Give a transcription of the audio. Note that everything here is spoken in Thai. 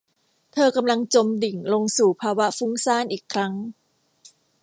เธอกำลังจมดิ่งลงสู่ภาวะฟุ้งซ่านอีกครั้ง